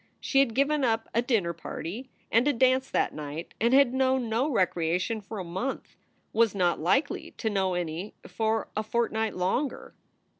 She had given up a dinner party and a dance that night, and had known no recreation for a month was not likely to know any for a fortnight longer.